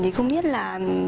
thì không biết là